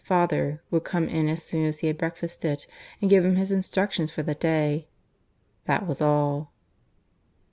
"Father" would come in as soon as he had breakfasted and give him his instructions for the day. That was all.